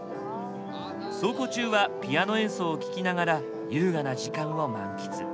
走行中はピアノ演奏を聴きながら優雅な時間を満喫。